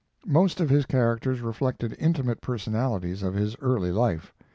Most of his characters reflected intimate personalities of his early life.